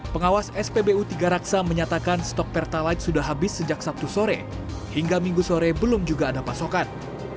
pengawas spbu tiga raksa menyatakan stok pertalite sudah habis sejak sabtu sore hingga minggu sore belum juga ada pasokan